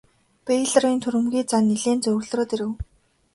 Бэйлорын түрэмгий зан нилээн зөөлрөөд ирэв.